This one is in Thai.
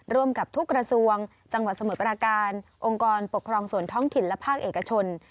ร่วมกับทุกกระทรวงจังหวัดสมุทรปราการองค์กรปกครองส่วนท้องถิ่นและภาคเอกชน